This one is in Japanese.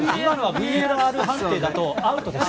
ＶＡＲはＶＡＲ判定だとアウトです。